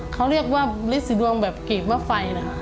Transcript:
เขาเรียกว่าลิสีดวงแบบกรีบมาไฟนะคะ